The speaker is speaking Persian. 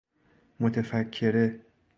متفکره